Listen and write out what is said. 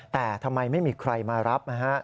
แต่ทำไมไม่มีใครมารับนะฮะ